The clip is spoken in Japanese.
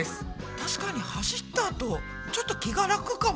たしかに走ったあとちょっと気が楽かも。